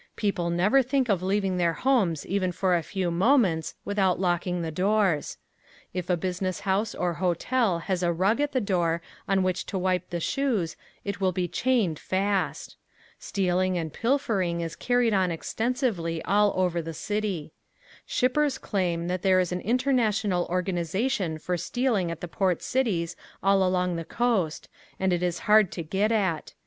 People never think of leaving their homes even for a few moments without locking the doors. If a business house or hotel has a rug at the door on which to wipe the shoes it will be chained fast. Stealing and pilfering is carried on extensively all over the city. Shippers claim that there is an international organization for stealing at the port cities all along the coast and it is hard to get at.